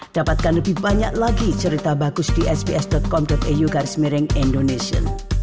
dapatkan lebih banyak lagi cerita bagus di sbs com au garis mereng indonesia